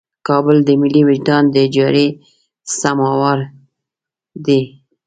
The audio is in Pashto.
کابل د ملي وجدان د اجارې سموار دی.